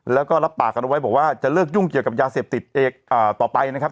แล้วก็รับปากกันเอาไว้บอกว่าจะเลิกยุ่งเกี่ยวกับยาเสพติดต่อไปนะครับ